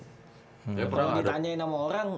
kalau ditanyain sama orang